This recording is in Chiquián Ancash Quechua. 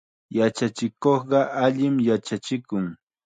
Yachachikuqqa allim yachachikun.